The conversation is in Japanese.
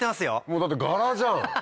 もうだって柄じゃん！